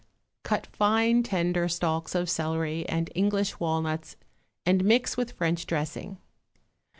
= Cut fine tender stalks of celery and English walnuts and mix with French dressing.